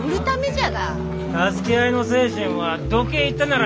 助け合いの精神はどけえ行ったなら。